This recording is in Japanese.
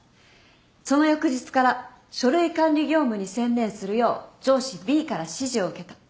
その翌日から書類管理業務に専念するよう上司Ｂから指示を受けた。